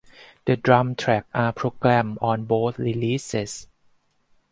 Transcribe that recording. The drum tracks are programmed on both releases.